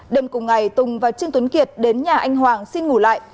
đêm cùng ngày tùng và trương tuấn kiệt đến nhà anh hoàng xin ngủ lại